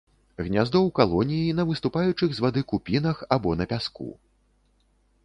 Гняздо ў калоніі, на выступаючых з вады купінах або на пяску.